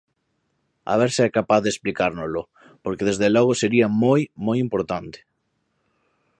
A ver se é capaz de explicárnolo, porque desde logo sería moi, moi importante.